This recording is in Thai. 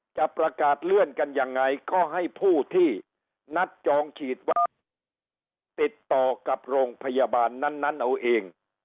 จะประกาศเลื่อนกันยังไงก็ให้ผู้ที่นัดจองฉีดว่าติดต่อกับโรงพยาบาลนั้นเอาเอง